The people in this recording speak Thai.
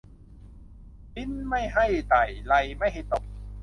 ริ้นไม่ให้ไต่ไรไม่ให้ตอม